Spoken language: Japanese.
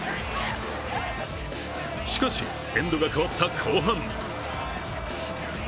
しかし、エンドが変わった後半。